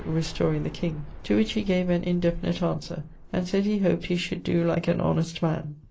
restoring the king; to which he gave an indefinite answer, and sayd he hoped he should doe like an honest man.